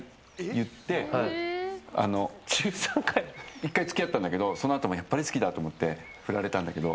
１回付き合ったんだけどそのあともやっぱり好きだと思って振られたんだけど。